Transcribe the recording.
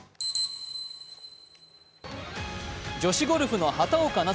女子ゴルフの畑岡奈